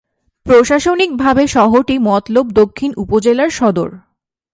প্রশাসনিকভাবে শহরটি মতলব দক্ষিণ উপজেলার সদর।